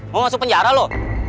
mau masuk penjara lo